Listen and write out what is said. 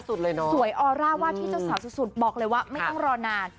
สวยออร่าว่าที่เจ้าสาวสุดบอกเลยว่าไม่ต้องรอนาน